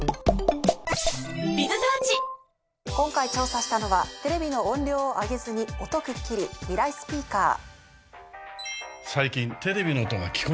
今回調査したのはテレビの音量を上げずに音くっきりミライスピーカー。